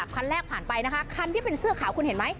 คันแรกผ่านไปนะคะคันที่เป็นเสื้อขาวคุณเห็นไหม